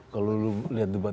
kalau lu lihat di pantai